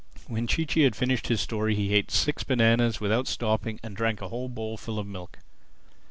When Chee Chee had finished his story he ate six bananas without stopping and drank a whole bowlful of milk.